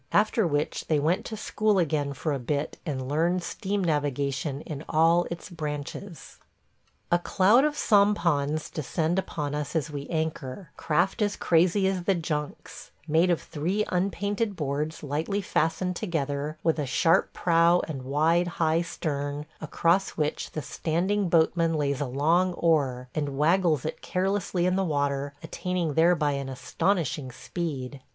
... After which they went to school again for a bit and learned steam navigation in all its branches. A cloud of sampans descend upon us as we anchor – craft as crazy as the junks – made of three unpainted boards lightly fastened together, with a sharp prow and wide, high stern, across which the standing boatman lays a long oar, and waggles it carelessly in the water, attaining thereby an astonishing speed.